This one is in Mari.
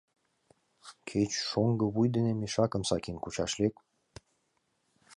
Кеч шоҥго вуй дене, мешакым сакен, кӱчаш лек.